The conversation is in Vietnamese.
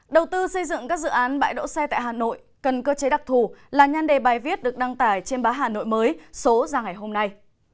đầu tư xây dựng các dự án bãi đỗ xe tại hà nội cần cơ chế đặc thù là nhan đề bài viết được đăng tải trên bá hà nội mới số ra ngày hôm nay